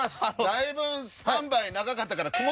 だいぶスタンバイ長かったから。